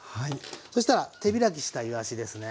そしたら手開きしたいわしですね。